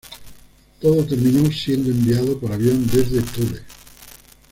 Todo terminó siendo enviado por avión desde Thule.